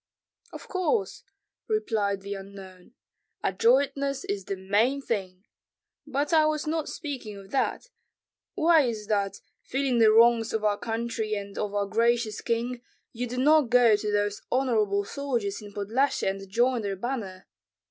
"Of course," replied the unknown. "Adroitness is the main thing! But I was not speaking of that. Why is it that, feeling the wrongs of our country and of our gracious king, you do not go to those honorable soldiers in Podlyasye and join their banner?